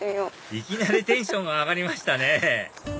いきなりテンション上がりましたね